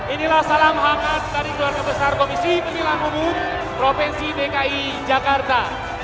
inilah salam hangat dari keluarga besar komisi pemilihan umum provinsi dki jakarta